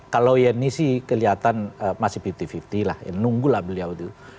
kalau yeni sih kelihatan masih lima puluh lima puluh lah ya nunggulah beliau itu